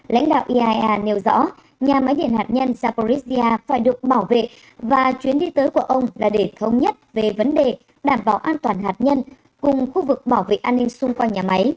lãnh đạo iaea nêu rõ nhà máy điện hạt nhân zaporizhia phải được bảo vệ và chuyến đi tới của ông là để thống nhất về vấn đề đảm bảo an toàn hạt nhân